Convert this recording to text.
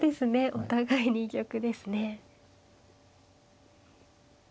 お互いに居玉ですね。